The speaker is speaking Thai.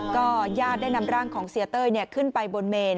ก็ญาติได้นำร่างของเสียเต้ยขึ้นไปบนเมน